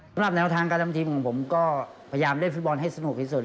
แนวทางการทำทีมของผมก็พยายามเล่นฟุตบอลให้สนุกที่สุด